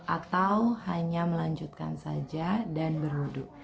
atau hanya melanjutkan saja dan berwudhu